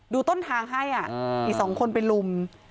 ดูต้นทางให้อ่ะอีสองคนไปลุม